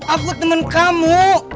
aku temen kamu